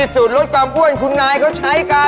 สูตรลดความอ้วนคุณนายเขาใช้กัน